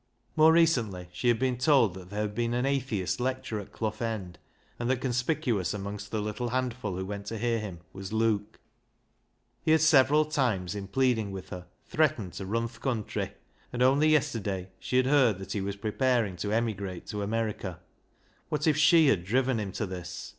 More recently she had been told that there had been an atheist lecturer at Clough End, and that conspicuous amongst the little handful who went to hear him was Luke. He had several times, in pleading with her, threatened to " run th' country," and only yesterday she had heard that he was preparing to emigrate to America. What if she had driven him to this?